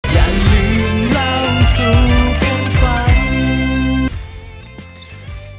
อย่าลืมเราสู่คนฟัง